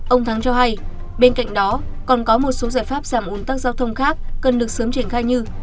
ông thắng cho hay bên cạnh đó còn có một số giải pháp giảm ủn tắc giao thông khác cần được sớm triển khai như